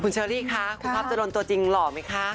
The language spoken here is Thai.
คุณเชอรี่คะคุณภาพจรรย์ตัวจริงหล่อไหมคะ